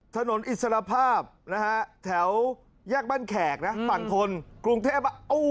ถนนอิสรภาพแถวแยกบั่นแขกฝั่งโทนกรุงเทพ